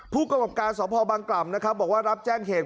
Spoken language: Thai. ผู้กำกับการสพบังกล่ำนะครับบอกว่ารับแจ้งเหตุ